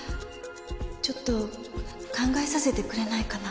ちょっと考えさせてくれないかな。